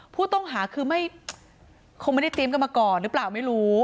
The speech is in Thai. ผู้ต้องหาคือไม่คงไม่ได้เตรียมกันมาก่อนหรือเปล่าไม่รู้